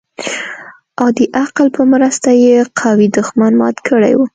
او د عقل په مرسته يې قوي دښمن مات کړى و.